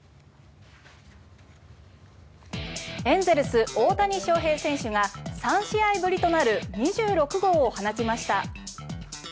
エンゼルス大谷翔平選手が３試合ぶりとなる２６号を放ちました。